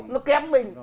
nó kém mình